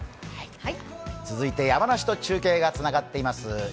続いて山梨と中継がつながっています。